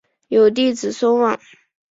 有弟子孙望。